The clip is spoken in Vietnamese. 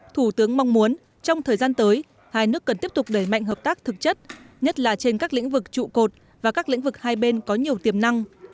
thủ tướng mong muốn trong thời gian tới hai nước cần tiếp tục đẩy mạnh hợp tác thực chất nhất là trên các lĩnh vực trụ cột và các lĩnh vực hai bên có nhiều tiềm năng